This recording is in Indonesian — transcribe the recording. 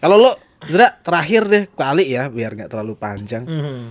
kalau lo zura terakhir deh kali ya biar ga terlalu panjang